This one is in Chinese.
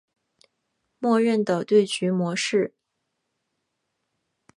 默认的对局模式。